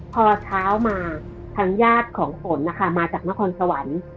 พอเช้ามาทางญาติของฝนนะคะมาจากนครสวรรค์